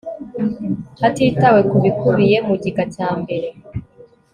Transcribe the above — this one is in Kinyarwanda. Hatitawe ku bikubiye mu gika cya mbere